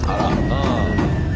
うん。